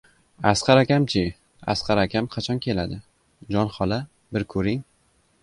— Asqar akam-chi? Asqar akam qachon keladi? Jon xola, bir ko‘ring!